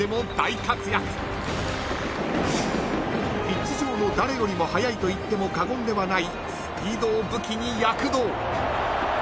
［ピッチ上の誰よりも速いと言っても過言ではないスピードを武器に躍動］